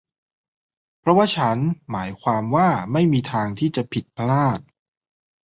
เพราะว่าฉันหมายความว่าไม่มีทางที่จะผิดพลาด